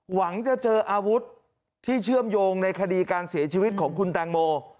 หวังจะเจออาวุธที่เชื่อมโยงในคดีการเสียชีวิตของคุณแตงโม